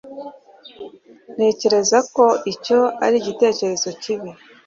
ntekereza ko icyo ari igitekerezo kibi